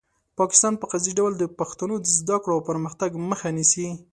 پاکستان په قصدي ډول د پښتنو د زده کړو او پرمختګ مخه نیسي.